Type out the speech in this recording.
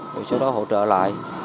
rồi sau đó hỗ trợ lại